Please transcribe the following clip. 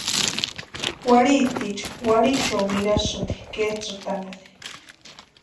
Warhitiicha warhichio ninhasïnti ketsʼïtanhani.